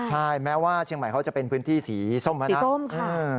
ใช่แม้ว่าเชียงใหม่เขาจะเป็นพื้นที่สีส้มแล้วนะ